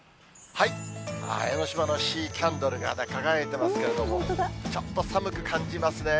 江の島のシーキャンドルが輝いてますけども、ちょっと寒く感じますね。